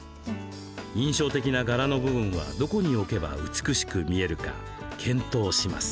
印象的な柄の部分はどこに置けば美しく見えるか検討します。